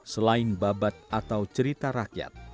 selain babat atau cerita rakyat